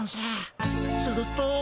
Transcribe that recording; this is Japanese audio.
すると。